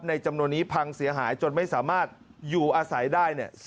จำนวนนี้พังเสียหายจนไม่สามารถอยู่อาศัยได้เนี่ย